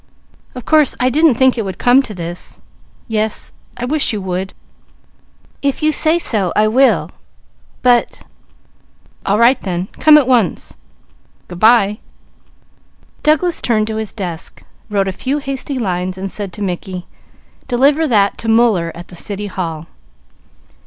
Of course I didn't think it would come to this. Yes I wish you would! If you say so, I will, but All right then. Come at once! Good bye!" Douglas turned to his desk, wrote a few hasty lines and said to Mickey: "Deliver that to Muller at the City Hall."